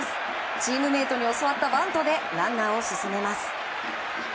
チームメートに教わったバントでランナーを進めます。